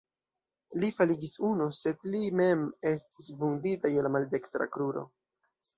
Li faligis unu, sed li mem estis vundita je la maldekstra kruro.